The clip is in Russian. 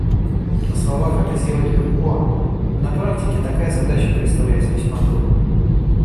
На словах это сделать легко, а на практике такая задача представляется весьма трудной.